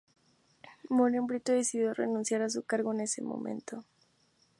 Moren Brito decidió renunciar a su cargo en ese momento.